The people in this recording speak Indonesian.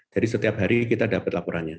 jadi setiap hari kita dapat laporannya